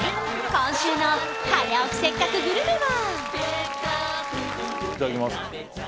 今週の「早起きせっかくグルメ！！」はいただきます